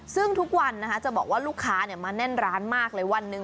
ซึ่งทุกวันนะคะจะบอกว่าลูกค้ามาแน่นร้านมากเลยวันหนึ่ง